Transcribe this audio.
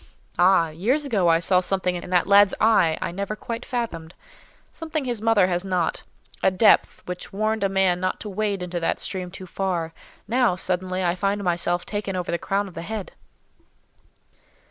Ah! years ago I saw something in that lad's eye I never quite fathomed—something his mother has not—a depth which warned a man not to wade into that stream too far; now, suddenly, I find myself taken over the crown of the head."